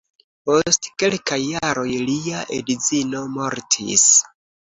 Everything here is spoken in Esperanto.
Post kelkaj jaroj lia edzino mortis.